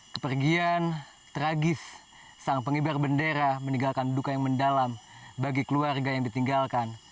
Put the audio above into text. kepergian tragis sang pengibar bendera meninggalkan duka yang mendalam bagi keluarga yang ditinggalkan